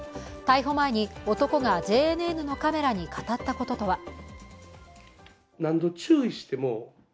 逮捕前に男がＪＮＮのカメラに語ったこととは。